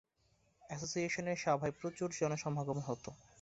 অ্যাসোসিয়েশনের সভায় প্রচুর জনসমাগম হতো।